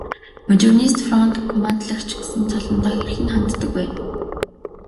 Модернист фронт командлагч гэдэг цолондоо хэрхэн ханддаг вэ?